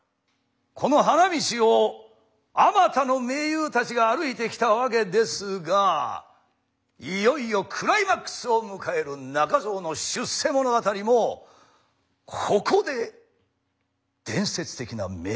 この花道をあまたの名優たちが歩いてきたわけですがいよいよクライマックスを迎える仲蔵の出世物語もここで伝説的な名シーンが生まれます。